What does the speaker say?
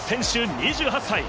２８歳。